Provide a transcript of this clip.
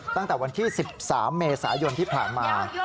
ตั้งแต่วันที่๑๓เมษายนที่ผ่านมา